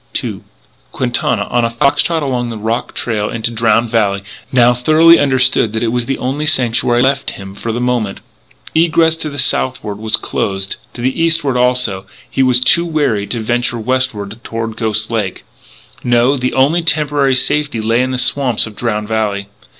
II Quintana, on a fox trot along the rock trail into Drowned Valley, now thoroughly understood that it was the only sanctuary left him for the moment. Egress to the southward was closed; to the eastward, also; and he was too wary to venture westward toward Ghost Lake. No, the only temporary safety lay in the swamps of Drowned Valley.